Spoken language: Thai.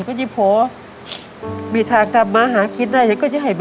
โกรธยายไหม